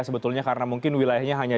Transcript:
sebetulnya karena mungkin wilayahnya lebih jauh